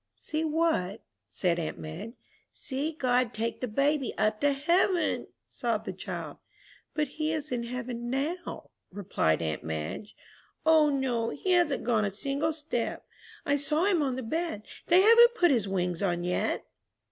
"See what?" said aunt Madge. "See God take the baby up to heaven," sobbed the child. "But he is in heaven now," replied aunt Madge. "O, no, he hasn't gone a single step. I saw him on the bed. They haven't put his wings on yet!"